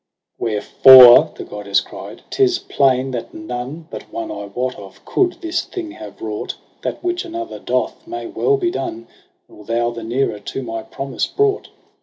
7 'Wherefore,' the goddess cried, ''tis plain that none But one I wot of coud this thing have wrought. That which another doth may well be done, Nor thou the nearer to my promise brought.